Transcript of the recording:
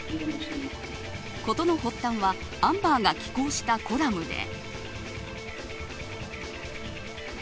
事の発端はアンバーが寄稿したコラムで。